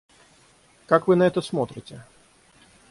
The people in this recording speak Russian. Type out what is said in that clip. Как Вы на это смотрите?